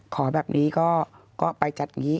ขอแบบนี้ก็ไปจัดอย่างนี้